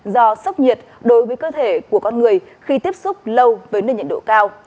do sốc nhiệt đối với cơ thể của con người khi tiếp xúc lâu với nền nhiệt độ cao